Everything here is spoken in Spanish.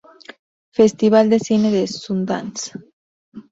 Festival de cine de Sundance